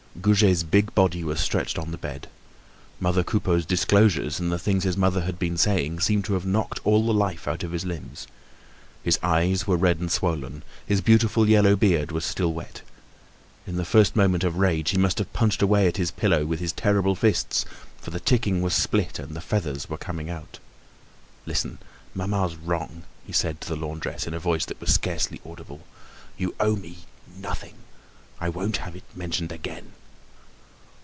Goujet's big body was stretched on the bed. Mother Coupeau's disclosures and the things his mother had been saying seemed to have knocked all the life out of his limbs. His eyes were red and swollen, his beautiful yellow beard was still wet. In the first moment of rage he must have punched away at his pillow with his terrible fists, for the ticking was split and the feathers were coming out. "Listen, mamma's wrong," said he to the laundress in a voice that was scarcely audible. "You owe me nothing. I won't have it mentioned again."